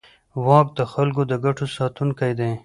واک د خلکو د ګټو ساتونکی دی.